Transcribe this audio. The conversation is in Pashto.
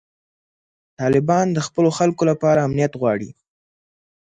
طالبان د خپلو خلکو لپاره امنیت غواړي.